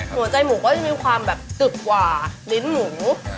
หัวใจหมูก็จะมีความแบบจึบกว่าลิ้นหมู